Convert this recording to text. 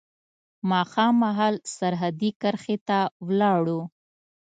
ماښام مهال سرحدي کرښې ته ولاړو.